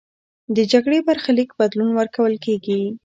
د جګړې برخلیک بدلون ورکول کېږي.